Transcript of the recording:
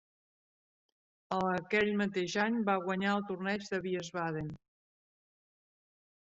Aquell mateix any, va guanyar el Torneig de Wiesbaden.